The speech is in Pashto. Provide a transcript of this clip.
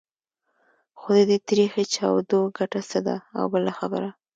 خو د دې تریخې چاودو ګټه څه ده؟ او بله خبره.